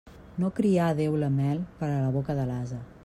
No crià Déu la mel per a la boca de l'ase.